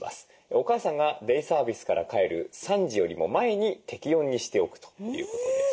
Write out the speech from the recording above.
お母さんがデイサービスから帰る３時よりも前に適温にしておくということです。